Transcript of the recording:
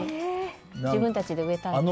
自分たちで植えたんです。